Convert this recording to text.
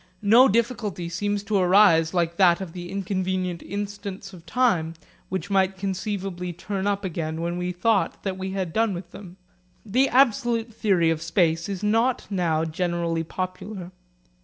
No difficulty seems to arise like that of the inconvenient instants of time which might conceivably turn up again when we thought that we had done with them. The absolute theory of space is not now generally popular.